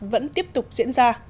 vẫn tiếp tục diễn ra